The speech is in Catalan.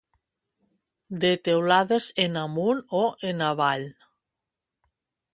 De teulades en amunt o en avall.